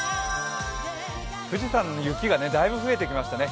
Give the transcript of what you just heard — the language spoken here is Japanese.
富士山の雪が大分増えてきましたね。